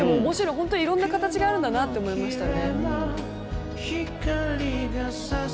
本当いろんなかたちがあるんだなって思いましたね。